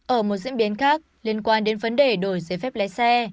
ở một diễn biến khác liên quan đến vấn đề đổi giấy phép lái xe